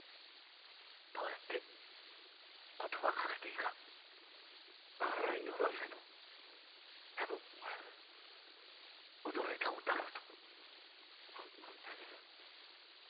どうやって言葉かけていいか分からないんでござんすけどさぞ驚いたことだろうとそう思っています。